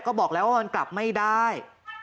ก็บอกแล้วว่ามันกลับไม่ได้